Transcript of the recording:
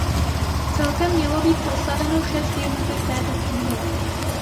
Celkem mělo být postaveno šest jednotek této třídy.